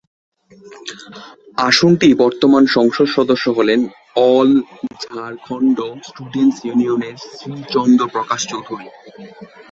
আসনটির বর্তমান সংসদ সদস্য হলেন অল ঝাড়খণ্ড স্টুডেন্টস ইউনিয়ন-এর শ্রী চন্দ্র প্রকাশ চৌধুরী।